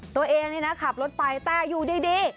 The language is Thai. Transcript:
ตัวเองนี่นะขับรถไปแต่อยู่ดี